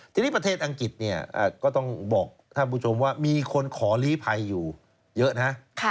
ทีนี้ประเทศอังกฤษเนี่ยก็ต้องบอกท่านผู้ชมว่ามีคนขอลีภัยอยู่เยอะนะ